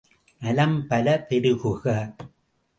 நலம் பல பெருகுக.